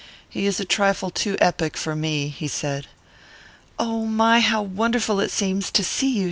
"He is a trifle too epic for me," he said. "Oh, my, how wonderful it seems to see you!"